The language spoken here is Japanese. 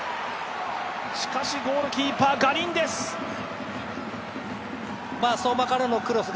しかし、ゴールキーパーガリンデス。